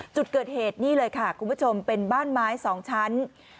จุดเกิดเหตุนี่เลยค่ะคุณผู้ชมเป็นบ้านไม้๒ชั้น